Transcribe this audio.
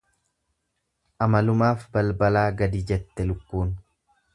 Amalumaaf balbalaa gadi jetti lakkuun.